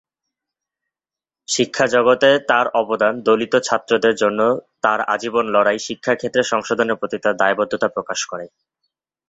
শিক্ষা জগতে তার অবদান, দলিত ছাত্রদের জন্যে তার আজীবন লড়াই, শিক্ষাক্ষেত্রে সংশোধনের প্রতি তার দায়বদ্ধতা প্রকাশ করে।